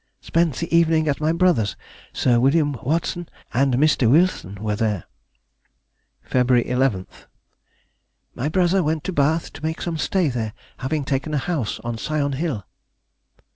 _—Spent the evening at my brother's. Sir Wm. Watson and Mr. Wilson were there. February 11th.—My brother went to Bath to make some stay there, having taken a house on Sion Hill.